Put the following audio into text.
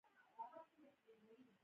د اوبو بندونه نړیږي او تاوان رسوي.